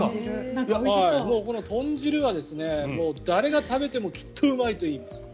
この豚汁は、誰が食べてもきっとうまいと言いますよ。